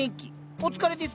お疲れですか？